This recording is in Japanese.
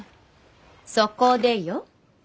そこでよ。